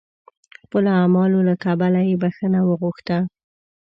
خپلو اعمالو له کبله یې بخښنه وغوښته.